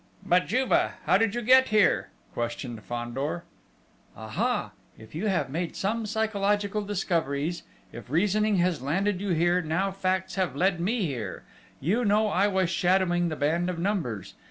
"But Juve how did you get here?" questioned Fandor. "Ah, ha! If you have made some psychological discoveries: if reasoning has landed you here, now facts have led me here!... You know I was shadowing the band of Numbers.